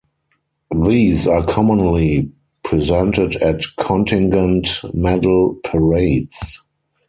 These are commonly presented at contingent medal parades.